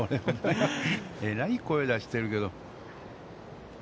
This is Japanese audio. えらい、声出してるけど。